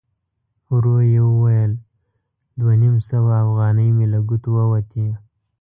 ورو يې وویل: دوه نيم سوه اوغانۍ مې له ګوتو ووتې!